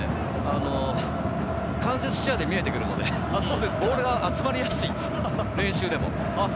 間接視野で見えてくるので、ボールが集まりやすい、練習でも。